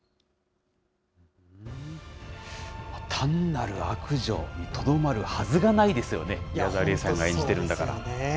単なる悪女にとどまるはずがないですよね、宮沢りえさんが演じているんだから。